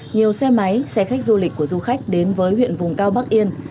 nhiều xe máy xe khách du lịch của du khách đến với huyện vùng cao bắc yên